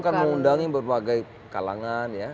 waktu itu akan mengundangi berbagai kalangan ya